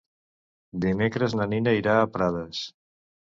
Dimecres na Nina irà a Prades.